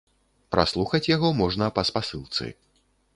Праслухаць яго можна па спасылцы.